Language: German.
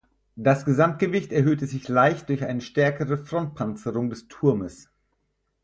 Das Gesamtgewicht erhöhte sich leicht durch eine stärkere Frontpanzerung des Turmes.